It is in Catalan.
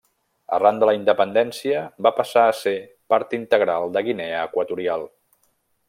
Arran de la independència va passar a ser part integral de Guinea Equatorial.